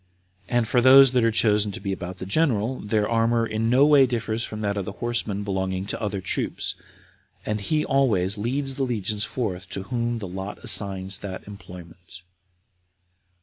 And for those that are chosen to be about the general, their armor no way differs from that of the horsemen belonging to other troops; and he always leads the legions forth to whom the lot assigns that employment.